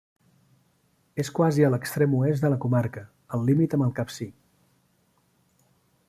És quasi a l'extrem oest de la comarca, al límit amb el Capcir.